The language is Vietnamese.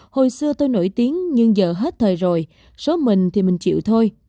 hồi xưa tôi nổi tiếng nhưng giờ hết thời rồi số mình thì mình chịu thôi